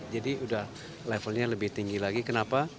jadi udah levelnya lebih tinggi lagi kenapa